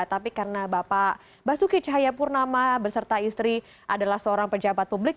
tapi karena bapak basuki cahayapurnama berserta istri adalah seorang pejabat publik